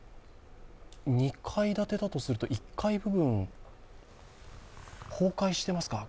２階建てだとすると１階部分、崩壊してますか？